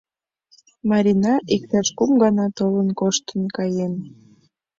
Марина иктаж кум гана толын коштын каен.